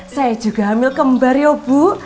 saya juga ambil kembar ya bu